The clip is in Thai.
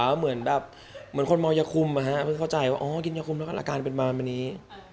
เหมือนแบบเหมือนคนมอยคุมอ่ะฮะเพิ่งเข้าใจว่าอ๋อกินยาคุมแล้วก็อาการเป็นบานแบบนี้